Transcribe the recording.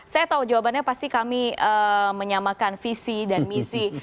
saya tahu jawabannya pasti kami menyamakan visi dan misi